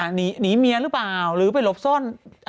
หนีเมียหรือเปล่าหรือไปหลบซ่อน